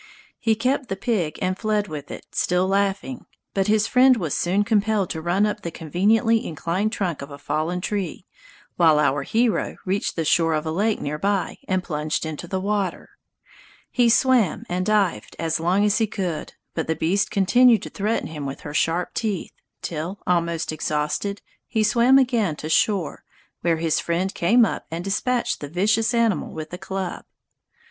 He kept the pig and fled with it, still laughing; but his friend was soon compelled to run up the conveniently inclined trunk of a fallen tree, while our hero reached the shore of a lake near by, and plunged into the water. He swam and dived as long as he could, but the beast continued to threaten him with her sharp teeth, till, almost exhausted, he swam again to shore, where his friend came up and dispatched the vicious animal with a club.